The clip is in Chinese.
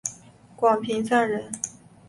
广平酂人。